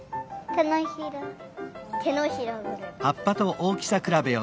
てのひらぐらい。